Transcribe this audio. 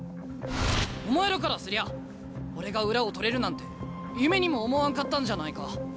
お前らからすりゃ俺が裏を取れるなんて夢にも思わんかったんじゃないか。